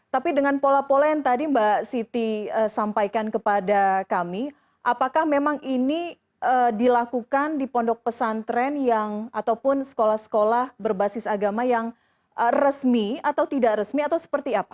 tapi dengan pola pola yang tadi mbak siti sampaikan kepada kami apakah memang ini dilakukan di pondok pesantren yang ataupun sekolah sekolah berbasis agama yang resmi atau tidak resmi atau seperti apa